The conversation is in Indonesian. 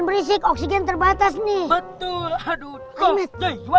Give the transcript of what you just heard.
masuk gigi satu mehmet